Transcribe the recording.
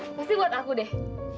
pasti buat aku deh